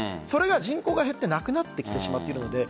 人口が減ってなくなってきてしまっているんです。